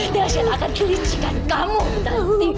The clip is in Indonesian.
dahsyat akan kelicikan kamu nanti